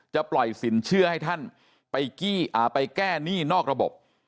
ปล่อยสินเชื่อให้ท่านไปแก้หนี้นอกระบบ